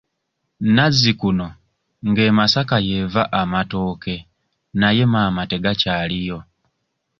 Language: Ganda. Nazzikuno ng'e Masaka y'eva amatooke naye maama tegakyaliyo.